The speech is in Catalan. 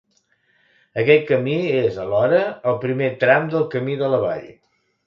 Aquest camí és, alhora, el primer tram del Camí de la Vall.